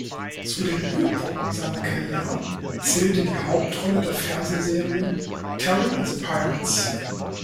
Zu den Höhepunkten seiner Karriere zählte die Hauptrolle der Fernsehserie "Terry and the Pirates".